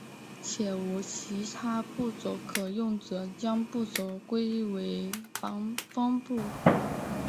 且无其他部首可用者将部首归为方部。